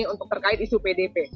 untuk terkait isu pdp